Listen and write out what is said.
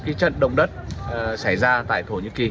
những cái trận đồng đất xảy ra tại thổ nhĩ kỳ